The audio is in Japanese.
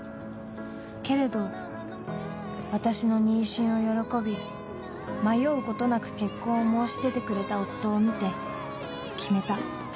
けれど、私の妊娠を喜び迷うことなく結婚を申し出てくれた夫を見て決めた。